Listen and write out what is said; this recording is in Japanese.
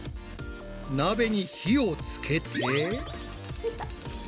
鍋に火をつけて。